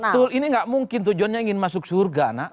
betul ini nggak mungkin tujuannya ingin masuk surga nak